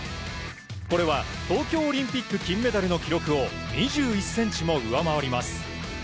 これは、東京オリンピック金メダルの記録を２１ｃｍも上回ります。